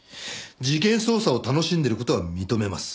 事件捜査を楽しんでる事は認めます。